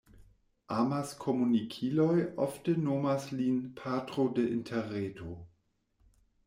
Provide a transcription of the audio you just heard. Amaskomunikiloj ofte nomas lin «patro de Interreto».